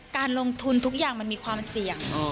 การลงทุนทุกอย่างมันมีความเสี่ยง